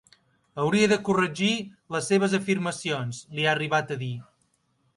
“Hauria de corregir les seves afirmacions”, li ha arribat a dir.